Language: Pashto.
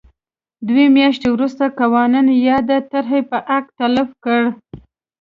دوه میاشتې وروسته قانون یاده طرحه به حق تلف کړي.